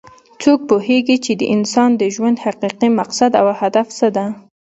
څوک پوهیږي چې د انسان د ژوند حقیقي مقصد او هدف څه ده